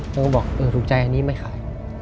แล้วก็บอกเออถูกใจอันนี้ไม่ขาย